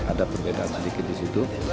ada perbedaan sedikit di situ